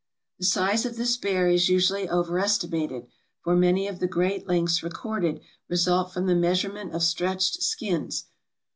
The size of this bear is usually overestimated, for many of the great lengths recorded result from the measurement of stretched skins.